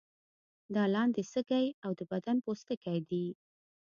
دا لارې سږی او د بدن پوستکی دي.